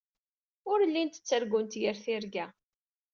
Ur llint ttargunt yir tirga.